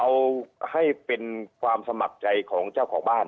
เอาให้เป็นความสมัครใจของเจ้าของบ้าน